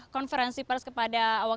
konferensi pers kepada ibu ratna sorumpait